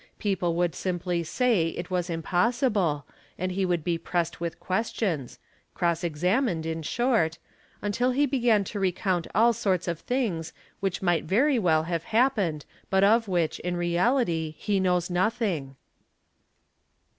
People would simply say it was impossible, and he would be pressed with questions— cross examined in short—until he began to recount all sorts of things, — which might very well have happened but of which in reality he knows — nothing.